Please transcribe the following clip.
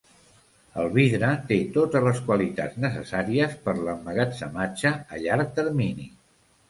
El vidre té totes les qualitats necessàries per l'emmagatzematge a llarg termini.